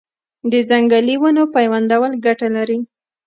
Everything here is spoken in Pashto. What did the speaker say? د ځنګلي ونو پیوندول ګټه لري؟